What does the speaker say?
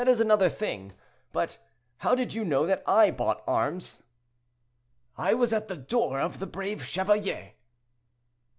"Oh! that is another thing; but how did you know that I bought arms?" "I was at the door of 'The Brave Chevalier.'"